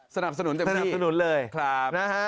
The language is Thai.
สนับสนุนจากพี่สนับสนุนเลยครับ